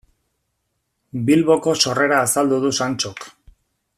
Bilboko sorrera azaldu du Santxok.